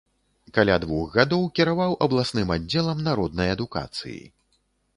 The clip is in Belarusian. Каля двух гадоў кіраваў абласным аддзелам народнай адукацыі.